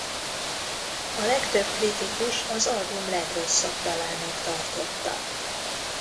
A legtöbb kritikus az album legrosszabb dalának tartotta.